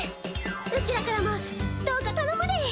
うちらからもどうか頼むで！